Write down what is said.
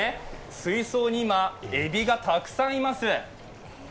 水槽に今、エビがたくさんいます。